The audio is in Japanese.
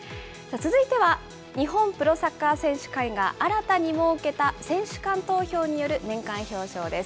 続いては、日本プロサッカー選手会が新たに設けた選手間投票による年間表彰です。